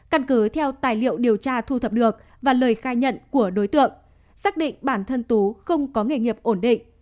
căn cứ theo tài liệu điều tra thu thập được và lời khai nhận của đối tượng xác định bản thân tú không có nghề nghiệp ổn định